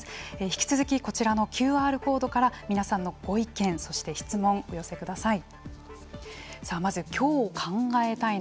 引き続きこちらＱＲコードから皆さんのご意見、そして質問をお寄せください。